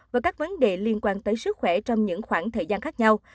và các vấn đề liên quan tới sức khỏe trong những khoảng thời gian khác nhau